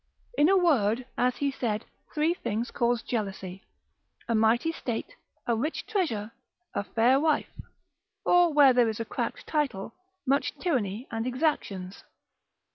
In a word (as he said) three things cause jealousy, a mighty state, a rich treasure, a fair wife; or where there is a cracked title, much tyranny, and exactions.